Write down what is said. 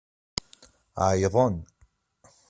Ɛeggḍen.